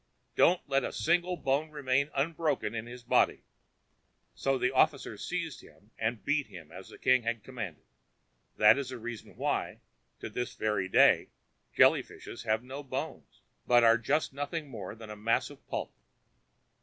Don't let a single bone remain unbroken in his body!" So the officers seized him and beat him, as the king had commanded. That is the reason why, to this very day, jelly fishes have no bones, but are just nothing more than a mass of pulp.